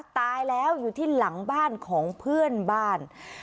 ตายแล้วอยู่ที่หลังบ้านของเพื่อนบ้าน